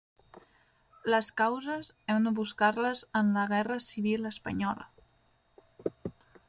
Les causes hem de buscar-les en la Guerra Civil Espanyola.